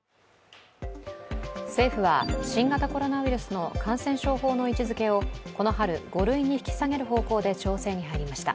政府は新型コロナウイルスの感染症法上の位置づけをこの春、５類に引き下げる方向で調整に入りました。